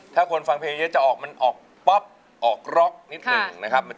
ถ้าคนฟังเพลงเยอะจะออกมันออกป๊อปออกร็อกนิดหนึ่งนะครับ